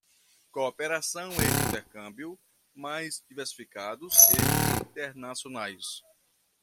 Cooperação e intercâmbio mais diversificados e internacionais